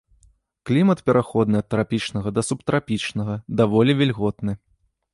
Клімат пераходны ад трапічнага да субтрапічнага, даволі вільготны.